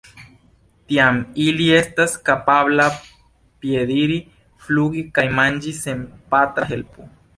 Tiam ili estas kapablaj piediri, flugi kaj manĝi sen patra helpo.